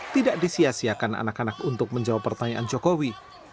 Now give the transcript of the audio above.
tidak disiasiakan anak anak untuk menjawab pertanyaan jokowi